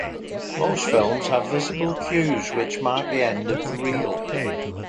Most films have visible cues which mark the end of the reel.